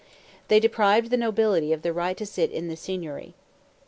They deprived the nobility of the right to sit in the Signory.